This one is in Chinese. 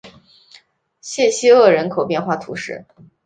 谢西厄人口变化图示